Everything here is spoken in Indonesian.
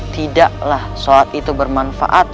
tidaklah sholat itu bermanfaat